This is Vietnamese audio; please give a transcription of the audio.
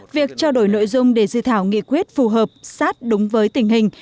việc trao đổi nội dung để dự thảo nghị quyết phù hợp sát đúng với tình hình